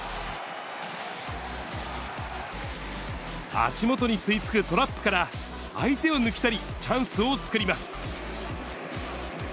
足元に吸いつくトラップから、相手を抜き去り、チャンスを作ります。